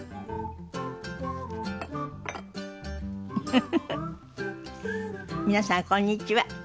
フフフフ皆さんこんにちは。